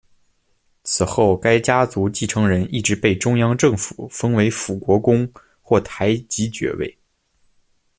此后该家族继承人一直被中央政府封为辅国公或台吉爵位。